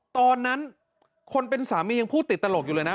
ตอนนั้นคนเป็นสามียังพูดติดตลกอยู่เลยนะ